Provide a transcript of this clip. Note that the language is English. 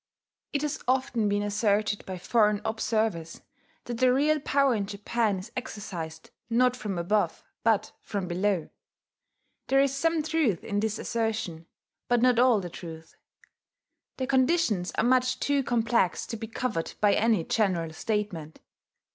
It has often been asserted by foreign observers that the real power in Japan is exercised not from above, but from below. There is some truth in this assertion, but not all the truth: the conditions are much too complex to be covered by any general statement.